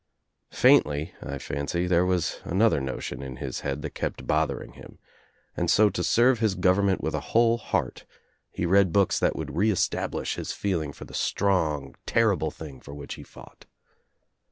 Faintly, I fancy, there was another notion in his head that kept bothering him, and so to serve his government with a whole heart he read books that would re establish his feeling for the strong, terrible thing for which he fought.